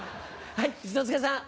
はい一之輔さん。